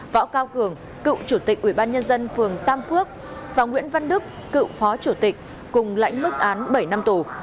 võ cao cường cựu chủ tịch ủy ban nhân dân phường tam phước và nguyễn văn đức cựu phó chủ tịch cùng lãnh mức án bảy năm tù